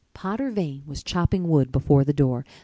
Potter Vane was chopping wood before the door.